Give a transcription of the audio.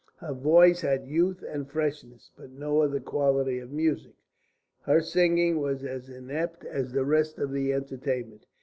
Her voice had youth and freshness, but no other quality of music. Her singing was as inept as the rest of the entertainment.